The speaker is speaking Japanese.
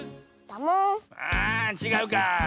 あちがうかあ。